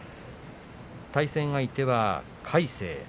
対戦相手は魁聖。